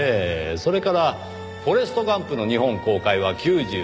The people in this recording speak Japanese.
それから『フォレスト・ガンプ』の日本公開は９５年です。